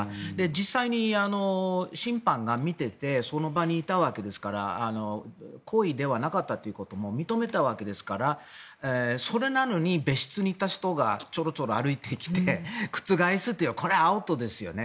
実際に審判が見ていてその場にいたわけですから故意ではなかったということも認めたわけですからそれなのに別室にいた人がチョロチョロ歩いてきて覆すというのはこれはアウトですよね。